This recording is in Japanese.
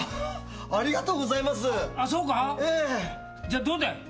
じゃあどうだい？